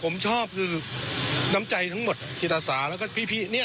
ผมชอบคือน้ำใจทั้งหมดจิตอาสาแล้วก็พี่เนี่ย